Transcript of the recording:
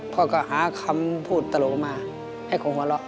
พ่อก็หาคำพูดตลกมาให้คงหัวเราะ